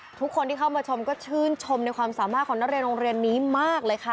ทุกคนที่เข้ามาชมก็ชื่นชมในความสามารถของนักเรียนโรงเรียนนี้มากเลยค่ะ